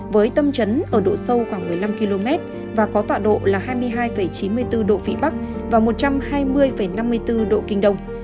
với tâm trấn ở độ sâu khoảng một mươi năm km và có tọa độ là hai mươi hai chín mươi bốn độ vĩ bắc và một trăm hai mươi năm mươi bốn độ kinh đông